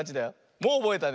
もうおぼえたね。